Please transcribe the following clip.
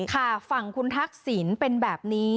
ค่ะฝั่งคุณทักษิณเป็นแบบนี้